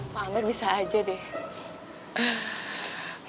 pak amir bisa aja deh